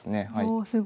おすごい。